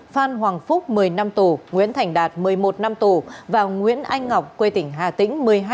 phan hoàng phúc một mươi năm tù nguyễn thành đạt một mươi một năm tù và nguyễn anh ngọc quê tỉnh hà tĩnh